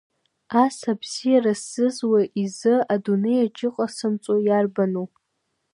Ас абзиара сзызуз изы адунеи аҿы иҟасымҵо иарбану!